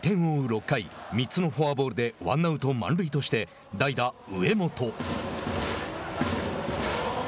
６回３つのフォアボールでワンアウト、満塁として代打上本。